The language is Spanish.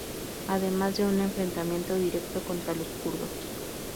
Además de un enfrentamiento directo contra los kurdos.